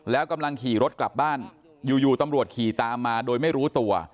แล้วกำลังขี่รถกลับบ้านอยู่ตำรวจขี่ตามมาโดยไม่รู้ตัว